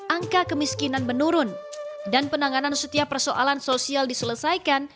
angka kemiskinan menurun dan penanganan setiap persoalan sosial diselesaikan